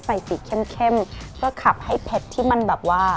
ใส่สีเข้มก็ขับให้เพชรที่มันแบบว่า